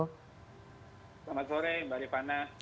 selamat sore mbak ripana